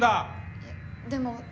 いやでも。